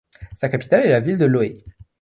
Sa capitale est la ville de Loei.